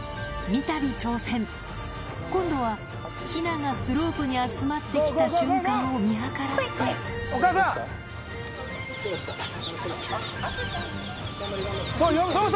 三度挑戦今度はヒナがスロープに集まって来た瞬間を見計らってそうそう！